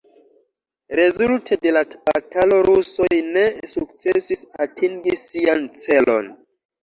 Rezulte de la batalo rusoj ne sukcesis atingi sian celon.